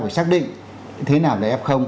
phải xác định thế nào là f